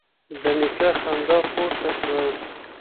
د نيکه خندا پورته شوه: